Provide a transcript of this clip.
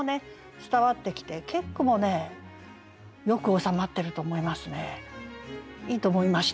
伝わってきて結句もねよく収まってると思いますね。